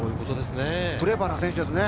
クレバーな選手ですね。